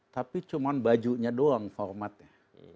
tapi cuma bajunya doang formatnya